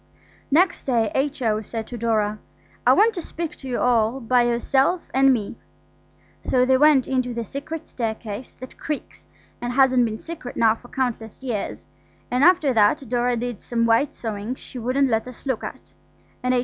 Next day H.O. said to Dora, "I want to speak to you all by yourself and me." So they went into the secret staircase that creaks and hasn't been secret now for countless years; and after that Dora did some white sewing she wouldn't let us look at, and H.O.